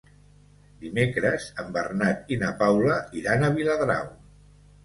Dimecres en Bernat i na Paula iran a Viladrau.